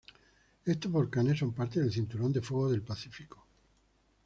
Estos volcanes son parte del Cinturón de Fuego del Pacífico.